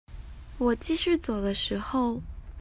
我繼續走的時候